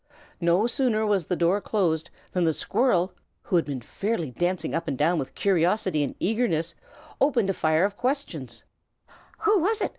No sooner was the door closed than the squirrel, who had been fairly dancing up and down with curiosity and eagerness, opened a fire of questions: "Who was it?